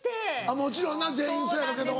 もちろんな全員そうやろうけど。